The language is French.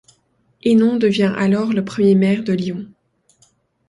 Hénon devient alors le premier maire de Lyon.